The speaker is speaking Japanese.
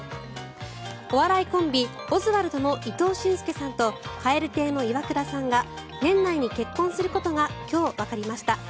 お笑いコンビ、オズワルドの伊藤俊介さんと蛙亭のイワクラさんが年内に結婚することが今日わかりました。